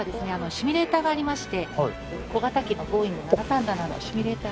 シミュレーターがありまして小型機のボーイング７３７のシミュレーターが。